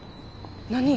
何？